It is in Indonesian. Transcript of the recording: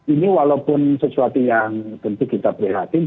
ini walaupun sesuatu yang tentu kita prihatin